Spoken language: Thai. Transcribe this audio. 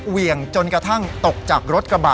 เหวี่ยงจนกระทั่งตกจากรถกระบะ